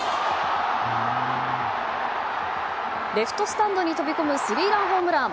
レフトスタンドに飛び込むスリーランホームラン。